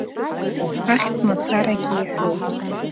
Ахьӡ мацарагьы иаҳәоит.